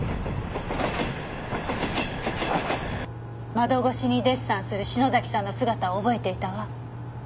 窓越しにデッサンする篠崎さんの姿を覚えていたわ。